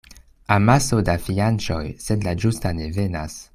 Amaso da fianĉoj, sed la ĝusta ne venas.